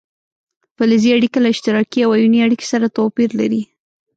فلزي اړیکه له اشتراکي او ایوني اړیکې سره توپیر لري.